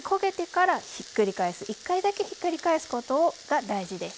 １回だけひっくり返すことが大事です。